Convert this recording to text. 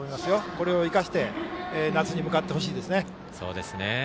これを生かして夏に向かってほしいですね。